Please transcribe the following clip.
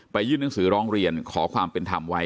ยื่นหนังสือร้องเรียนขอความเป็นธรรมไว้